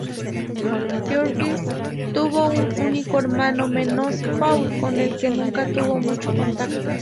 Georges tuvo un único hermano, menor, Paul, con el que nunca tuvo mucho contacto.